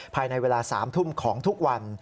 ภายในเวลา๓ทุ่มของทุกวัน